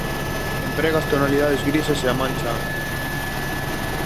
Emprega as tonalidades grises e a mancha ampla.